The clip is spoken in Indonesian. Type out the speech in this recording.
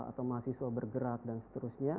atau mahasiswa bergerak dan seterusnya